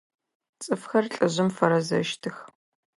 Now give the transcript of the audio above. Цӏыфхэр лӏыжъым фэрэзэщтых.